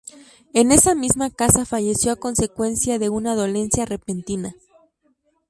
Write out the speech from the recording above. En esa misma casa falleció a consecuencia de una dolencia repentina.